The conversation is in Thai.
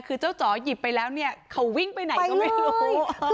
คือเจ้าจ๋อหยิบไปแล้วเนี่ยเขาวิ่งไปไหนก็ไม่รู้